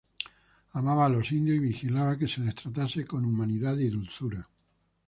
Amaba a los indios y vigilaba que se les tratase con humanidad y dulzura.